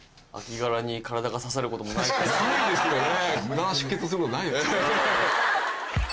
ないですよね。